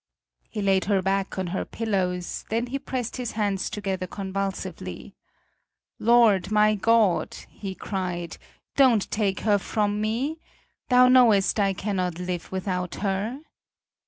He laid her back on her pillows; then he pressed his hands together convulsively: "Lord, my God," he cried; "don't take her from me! Thou knowest, I cannot live without her!"